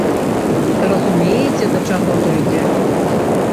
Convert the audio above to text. Разумееце да чаго дойдзе?!